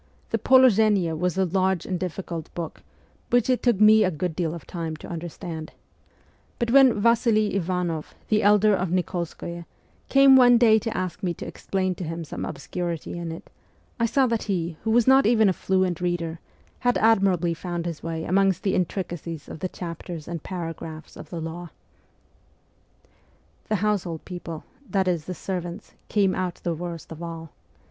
The Polozhenie was a large and difficult book, which it took me a good deal of time to understand ; but when Vasili Ivanoff, the elder of Nikols koye, came one day to ask me to explain to him some obscurity in it, I saw that he, who was not even a fluent reader, had admirably found his way amongst the in tricacies of the chapters and paragraphs of the law. The ' household people ' that is, the servants came out the worst of all.